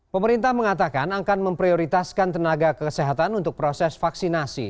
pemerintah mengatakan akan memprioritaskan tenaga kesehatan untuk proses vaksinasi